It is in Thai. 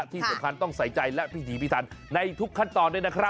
ที่สำคัญต้องใส่ใจและพิถีพิถันในทุกขั้นตอนด้วยนะครับ